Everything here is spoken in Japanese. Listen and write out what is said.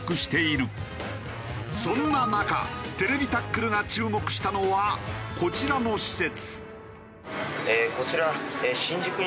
そんな中『ＴＶタックル』が注目したのはこちらの施設。